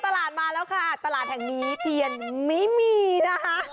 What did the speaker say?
ตลาดมาแล้วค่ะตลาดแห่งนี้เทียนไม่มีนะคะ